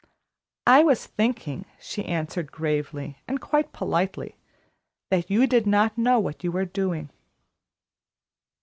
"I was thinking," she answered gravely and quite politely, "that you did not know what you were doing."